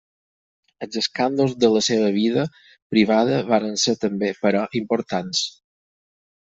Els escàndols de la seva vida privada van ser també, però, importants.